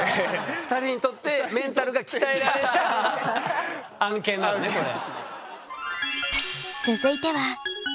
２人にとってメンタルが鍛えられた案件なのねこれ。